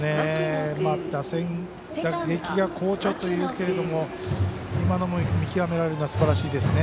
打線、打撃が好調というけれども今のも見極められるのはすばらしいですね。